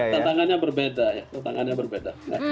tantangannya berbeda ya